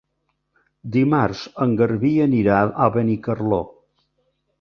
Dimarts en Garbí anirà a Benicarló.